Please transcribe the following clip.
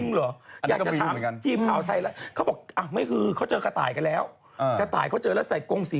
ก็ทำแค่ได้เพราะเขาทำทุกอย่าง